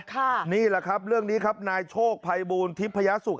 นี่แหละครับเรื่องนี้ครับนายโชคภัยบูลทิพยสุข